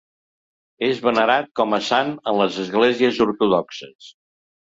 És venerat com a sant en les esglésies ortodoxes.